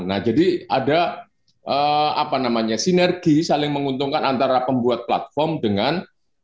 nah jadi ada apa namanya sinergi saling menguntungkan antara pembuat platform dengan